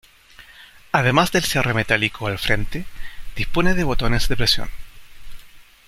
Además del cierre metálico al frente, dispone de botones de presión.